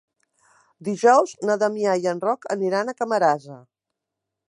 Dijous na Damià i en Roc aniran a Camarasa.